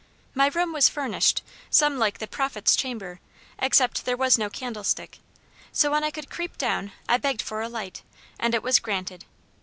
My room was furnished some like the 'prophet's chamber,' except there was no 'candlestick;' so when I could creep down I begged for a light, and it was granted.